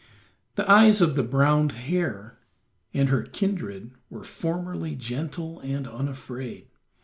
The eyes of the brown hare and her kindred were formerly gentle and unafraid.